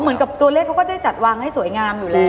เหมือนกับตัวเลขเขาก็ได้จัดวางให้สวยงามอยู่แล้ว